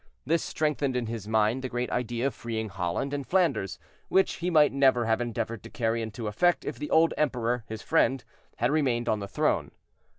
This strengthened in his mind the great idea of freeing Holland and Flanders, which he might never have endeavored to carry into effect if the old emperor, his friend, had remained on the throne.